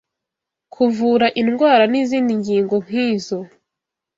kuvura indwara n’izindi ngingo nk’izo,